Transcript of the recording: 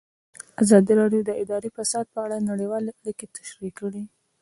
ازادي راډیو د اداري فساد په اړه نړیوالې اړیکې تشریح کړي.